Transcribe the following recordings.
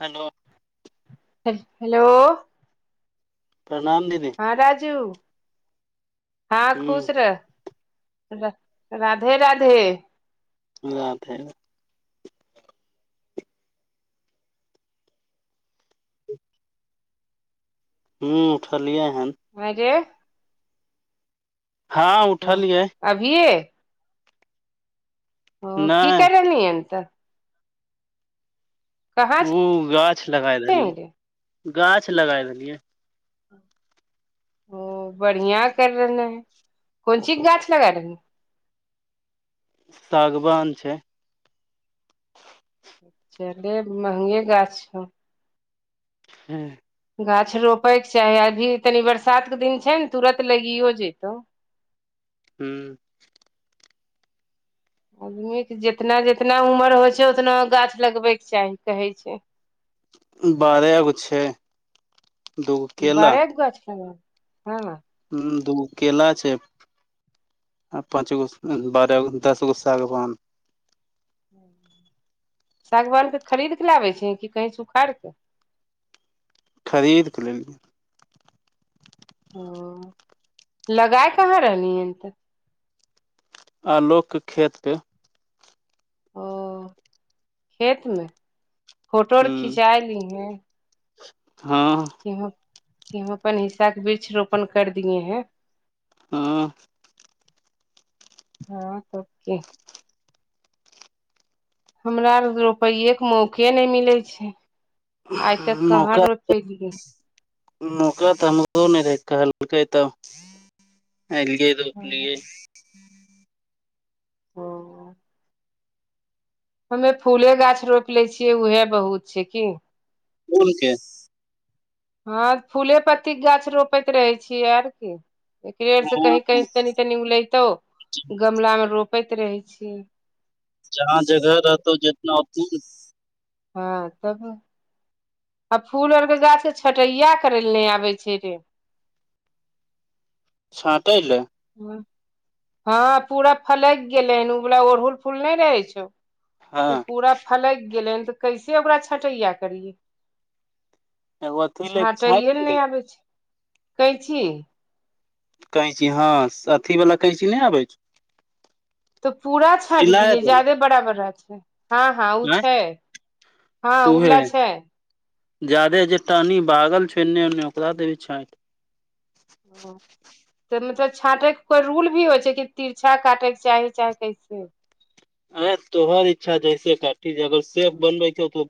Hello hello प्रणाम दीदी ह राजू हँ खुश ह रह र राधे राधे राधे राधे ह [inaudible] हूँ उठलियै हन आरे हँ उठलियै अभिये ओ की नहि करल हून तऽ कहाँ उ गाछ लगाय छलही रे देलियै गाछ लगाय देलियै ओ बढ़िया [unintelligible] कोन चिज गाछ लगा देलियै सागवान छै चले महगा गाछ हौ हूं गाछ रोपैके चाही अभी तलिये बरसातके दिन छै ने तुरत लैगियो जेतै हूँ आदमीके जितना जितना उमर होइ छै ओतना गाछ लगबैके चाही कहै छै ई बारऽ गो छै दूगो केला बारऽ गो गाछ कना हँ ह [unintelligible] दू गो केला छै आ पाँच गो बारह दस गो सागवान हू सागवान के खरीद के लाबै छै कि कहीं उखाड़ क खरीदकेऽ लौलियै ह लगाय कहाँ रहली हन तऽ आलोक के खेत पे ओ खेत मे फोटो ह आर खिचाय लीह हँ कि हम कि हम अप्पन हिस्साके बृक्ष रोपण कर दिए ह आं हँ तऽब की हमरा आरके रोपैयेके मौके नै मिलै छै आइ तऽ कहां मौका रोपेलियै मौका तऽ हमरो नहि रहै कहलकै तऽ ऐलियै रोपलियै ओ हमे फूले गाछ रोपि लै छियै उहे बहुत छै की फुल के हँ फूले पत्तीके गाछ रोपैत रहै छियै आर की एकरे आरसँ कहीं हँ कहीं तनी तनी उलैतो गमला मे रोपैत रहै छियै जहाँ जगह रहतौ जितना उतना हँ तब आ फूल आर के गाछ छटैयां करेय लेल नै आबय छै रे छांटैंले हं हँ पूरा फलैक गेलै हन उ बला ओड़हुल फूल नै रहै छौ ओ हँ पूरा फलैक गेलै हन तऽ कैसे ओकरा छटैंया करियै एगो अथी ले छाँटैएल छाँटि ले नय आबै छै छी कैंची हँ स अथीवला कैंची नैआबय छौ तऽ पूरा छैंटि सिलाइ दियए वाला ज्यादे बराबर रहय छै हँ हँ उ आँय छै हँ ऊ तूहे बला छै जादे जे टहनी बागल छै एन्ने ओन्ने ओकरा देबहीं छाँटि ह तऽ मतलब छाँटे के कोइ रूल भी होय छै की तीरछा काटेके चाही चाहे कैसे अंय तोहर इच्छा जैसे काटी ज अगर सेफ बनबै क हौ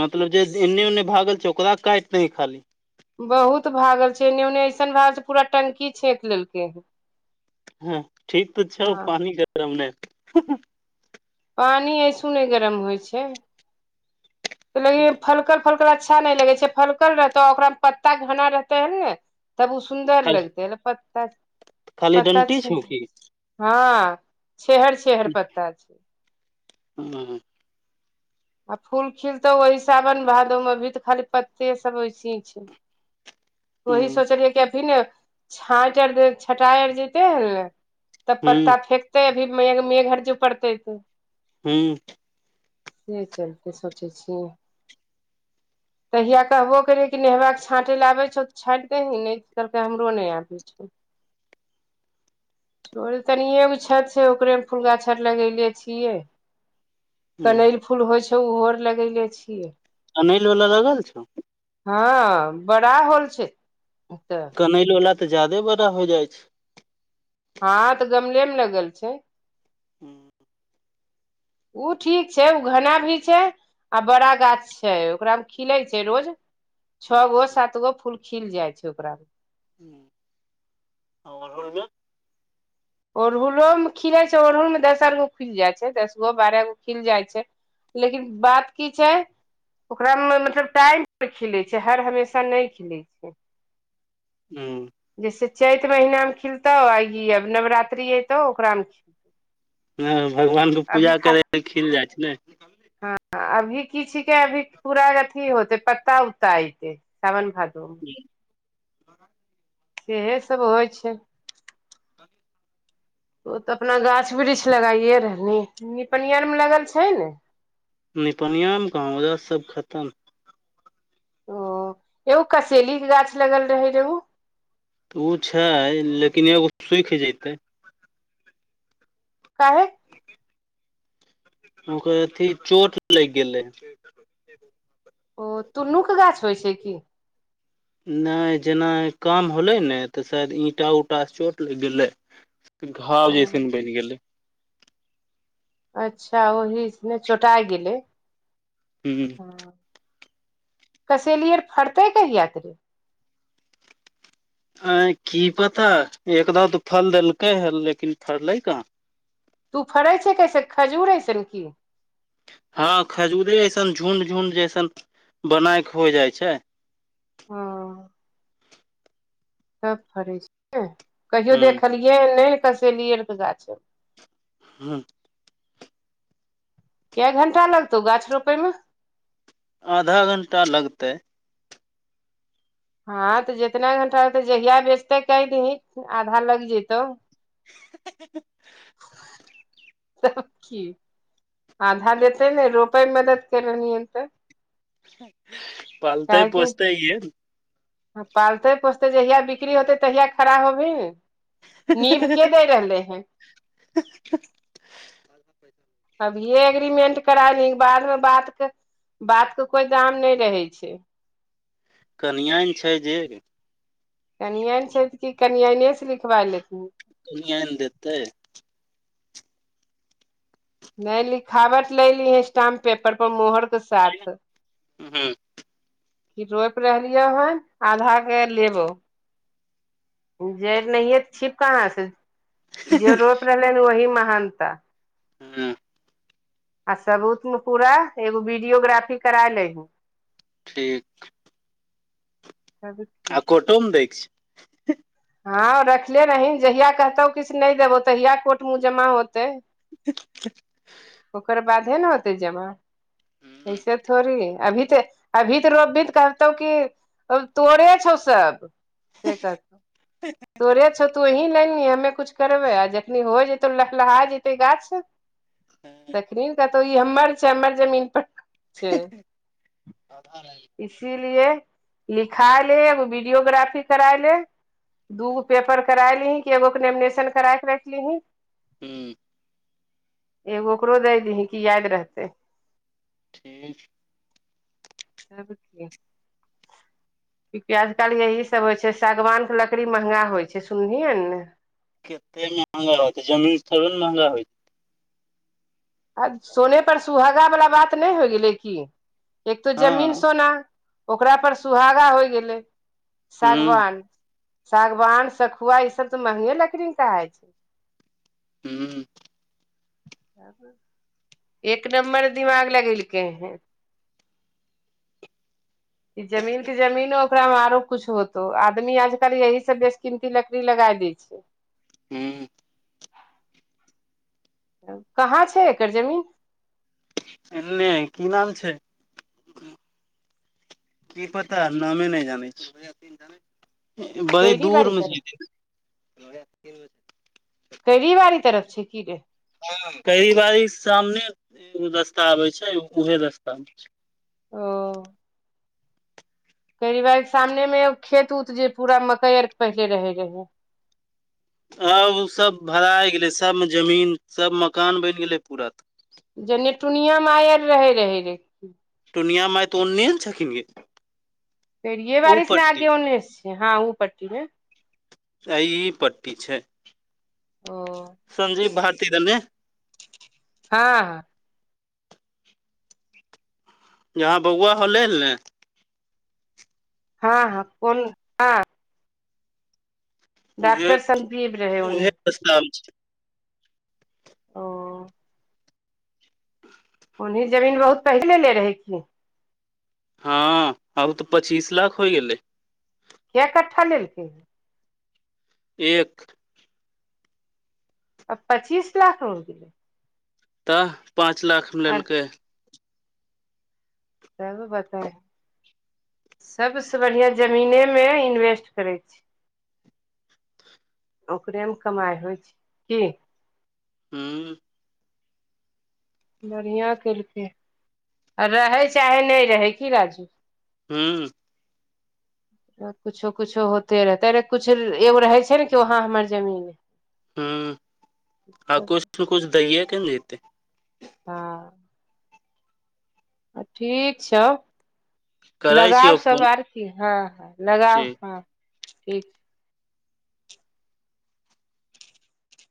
मतलब जे एन्ने ओन्ने भागल छै ओकला काटि देहीं खाली बहुत भागल छय एन्नै ओन्ने ऐसन भए हन पूरा टंकी छेक लेलकै हन हूॅं ठीक तऽ छौ हँ पानि पानि ऐसू नै गरम होय छै फलकल फलकल अच्छा नै लगै छै फलकल रहतौ ओकरामे पत्ता घना रहतै हन ने तब उ सुन्दर खाली लगतै पत्ता खाली पत्ता डंटी छै छौ की हँ छेहर छेहर पत्ता छै हं आ फूल खिलतौ ओहि साबन भादव मे अभी तऽ खाली पत्ते सब वैसहीं छै वही हूँ सोचलियै कि अभी न छाँटि आर दे छॅंटाय आर जेतै ने तब पत्ता हूँ फेेकतै अभी मेघ मेघआर जौं पड़तै तऽ हूं से चलते सोचै छियै तहिया कहबो केरियै कि नहि छाँटैले आयबै छौ की छाॅंटि देहीं नै तऽ कहलकै हमरो नै आबै छौ तनियगो छत छै ओकरे मे फुलगाछ आर लगले छियै हूँ कनैल फूल होय छै उहो आओर लगैले छियै कनैल बाला लगल छौ हँ बड़ा होल छै तऽ कनैल बाला तऽ ज्यादे बड़ा होय जाय छै हां तऽ गमले मे लगल छै [inaudible] उ ठीक छै उ घना भी छै आ बड़ा गाछ छै ओकरा मे खिलै छै रोज ह छओ गो अच्छा सात गो फूल खिल जाय छै ओकरा [inaudible] ओड़हुलोमे खिलै छैय अड़हुलमे दस आर गो खिल जाइ छैय दस गो बारह गो खिल जाइ छैय। लेकिन बात की छैय। ओकरामे मतलब टाइमप खिलै छैय हर हमेशा नहि खिलै छैय। हूं जैसे चैत महीनामे खिलतौ आ ई आब नवरात्रि अयतौ ओकरामे खिलतौ। ह भगवानके पूजा करय ल खिल जाइ छैय ने। हँ अभी की छिके अभी पूरा अथी होते पत्ता उत्ता अएतै। साावन भादो मे। ह सेहे सब होइ छैय। ओ तऽ अपना गाछ वृक्ष लगाइए रहल निपनियरमे लगल छैय ने। निपनियामे कहां उधर सब खतम। ओ एगो कसेली के गाछ लगल रहे जे ऊ? तऽ ऊ छैय लेकिन एगो सुखि जतै। काहे? ओकर अथी चोट लागि गेलै। ओ तुन्नूक गाछ होइ छैय की? नहि जेना काम होलै ने तऽ शायद ईंटा उटा चोट लागि गेलै। घाव ओ जैसन बनि गेलै। अच्छा ओहिमें चोटा गेलै। हूं ह कसेलि आर फड़तै कहियाते। आय की पता एकदा तऽ फल देलकै हे लेकिन फललै कहा। तू फड़ै छैय कैसे खजूर अयसन की? हँ खजूरे अएसन झुंड झुंड जैसन बनायके हो जाइ छैय। हँ त फड़ै छैय ने कहियो ह देखलियै ह नहि कसेलियै त गाछ। हूँ कय घंटा लगतौ गाछ रोपे मे? आधा घण्टा लगतै। हँ तऽ जितना घंटा होतै जहिया बेचतै कैही दिही आधा लग जतौ। [inaudible] तब की आधा देतै ने रोपएमें मदद कर ह तऽ। पालतय पोसतै इहे। पालतै पोसतै जहिया बिक्री होतै तहिया खड़ा होबहीन। नींभ के दे रहले हीन? अभिये एग्रीमेंट करा ल बादमे बातके बातके कोई दाम नहि रहै छैय। कनिआनि छैय जे। कनिआन छैय तऽ कि कनिआनेसे लिखबाय लेथिन। कनियन देतै। नहि लिखावट ले लीहैं स्टाम्प पेपर पर मोहरके साथ। ह कि रोपि रहलियै हन आधा के लेबौ। जड़ि नहि छिप काँहाँसे जे रोप रहले हन वही महानता। ह आ सबूतमे पूरा एगो वीडियोग्राफी करा लिही। ठीक हैबिट [inaudible] कोटोम दै के छै [unintelligible] हँं रखले रहिंन जहिया कहतौ किछु नहि देबौ तहिया कोर्ट मे उ जमा होतै [inaudible] ओकर बाद हे न होतै जमा हूँ ऐसे थोड़ी अभी तऽ अभी तऽ रोपभी तऽ कहतौ की तोरे छौ सब से कहतौ तोरे छौ तूहीं लैनी हम्मे कुछ करबै आ जखनी हो जेतौ लहलहा जेतै गाछ तखनी कहतौ ई हम्मर छै हम्मर जमीन पर छै आधा [unintelligible] इसीलिए लिखाइ ले एगो वीडियोग्राफी कराय ले दूगो पेपर कराय लीहीं कि एगो के नेमिनेशन कराय के रैखलीहीं हूंम्म एगो ओकरो दै दिहीं की याद रहतै ठीक तब की आजकल यही सब होइ छै सागवान के लकड़ी महंगा होइ छै सुनलिहीं हन ने केत्ते महँंगा होतै जमीन थोरबे न महंगा होइ आ सोने पर सुहागा वाला बात नहि होय गेलै की एक तो जमीन हँ सोना ओकरा पर सुहागा होय गेलै ह सागवान सागवान सखुआ ई सब तऽ महंगे लकड़ी न कहाइ छै हूंम्म एक नम्बर दिमाग लगेलकेै हैं ई जमीन के जमीनो ओकरा मे आरो कुछ होतो आदमी आजकल यही सब बेसकीमती लकड़ी लगाय दे छै हूंम्म कहाँ छै एकर जमीन एने की नाम छै की पता नामे नहि जानै छियै बड़ी कैरी बाड़ी दूर मे तरफ छै के छै [inaudible] करीवारी तरफ छै की रे हूंम्म करिबारी सामने एगो रस्ता आबै छै उहे रस्ता मे छै ओ करीबारी के सामने मे खेत उत जे पूरा मकइ आर के पहिले रहै रहै आब उ सब भड़ाइ गेलै सबमे जमीन सब मकान बनि गेलै पूरा तऽ जेनेटुनियांमे आयल रहै रहै रे टोनियां माय तऽ ओन्ने ने छलखिन गे उ केरियेबारि से ने पट्टी आगे ओन्नेस छै हँ ओ पट्टी मे आ ई पट्टी छै ओ संजीव भारती दने हँ जहाँ बौआ होलैल ने हँ हँ फोन डॉक्टर संदीप रहे ओने उहे स्टाफ छै ओ ओन्ही जमीन बहुत पहिले ले रहै की। हँ आब तऽ पच्चीस लाख होइ गेलै केय कट्ठा लेलकै एक अब पच्चीस लाख हो गेलै तऽ पाँच लाखमे आर लेलकै तब बताह सबस बढ़िया जमीने मे इन्वेस्ट करै छी ओकरेमे कमाइ होइ छै की हूँ बढ़िया केलकै आ रहै चाहे नहि रहै की राजू हूँ [inaudible] त कुछो कुछो होते रहै [unintelligible] कछो एगो रहे छै नऽ कि वहाँ हमर जमीन रेहै हूँ आ है कुछ नऽ कुछ दये कऽ न जेते हँ अ ठीक छौ करै लगाउ छियौ सब फोन आर की हँ हँ लगाउ ठीक हँ ठीक